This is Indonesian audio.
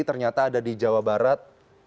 ternyata ada di jawa barat